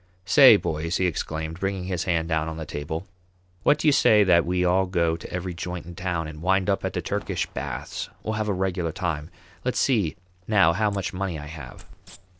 "Say, boys," he exclaimed, bringing his hand down on the table, "what do you say that we all go to every joint in town, and wind up at the Turkish baths? We'll have a regular time. Let's see now how much money I have."